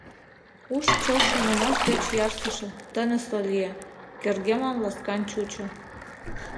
Уш чылт шонымаш деч ярсыше, тынысле лие, кӧргемлан ласкан чучо.